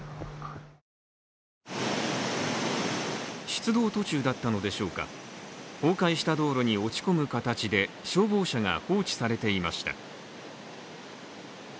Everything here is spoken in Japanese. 出動途中だったのでしょうか、崩壊した道路に落ち込む形で消防車が放置されていました。